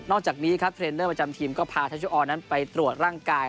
จากนี้ครับเทรนเนอร์ประจำทีมก็พาทัชุออนั้นไปตรวจร่างกาย